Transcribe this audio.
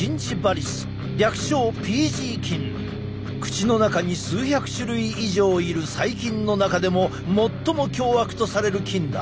口の中に数百種類以上いる細菌の中でも最も凶悪とされる菌だ。